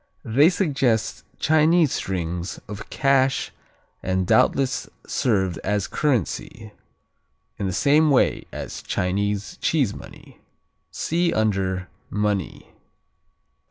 They suggest Chinese strings of cash and doubtless served as currency, in the same way as Chinese cheese money. (See under Money.)